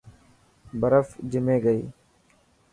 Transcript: برف جمي گئي.